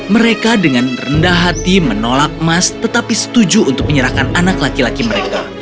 mereka dengan rendah hati menolak emas tetapi setuju untuk menyerahkan anak laki laki mereka